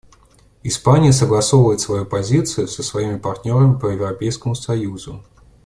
Испания согласовывает свою позицию со своими партнерами по Европейскому союзу.